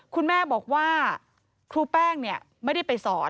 คุณแม่บอกว่าครูแป้งไม่ได้ไปสอน